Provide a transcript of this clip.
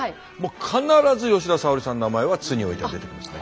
必ず吉田沙保里さんの名前は津においては出てきますね。